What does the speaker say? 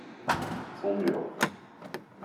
Son mur.